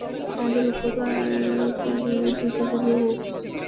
আমাদের উপকারকারী দীর্ঘজীবী হোক।